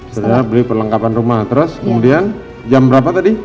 saya beli perlengkapan rumah terus kemudian jam berapa tadi